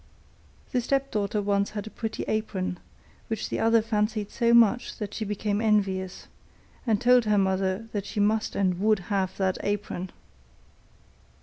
The stepdaughter once had a pretty apron, which the other fancied so much that she became envious, and told her mother that she must and would have that apron.